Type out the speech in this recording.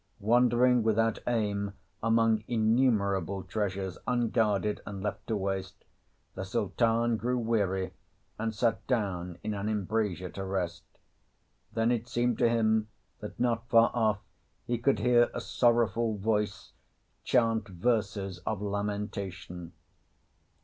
Wandering without aim among innumerable treasures unguarded and left to waste, the Sultan grew weary, and sat down in an embrasure to rest. Then it seemed to him that not far off he could hear a sorrowful voice chant verses of lamentation.